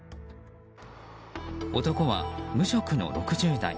男は無職の６０代。